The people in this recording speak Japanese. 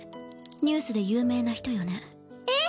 ニュースで有名な人よねええ。